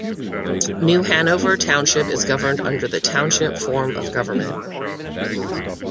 New Hanover Township is governed under the Township form of government.